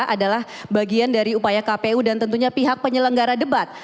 adalah bagian dari upaya kpu dan tentunya pihak penyelenggara debat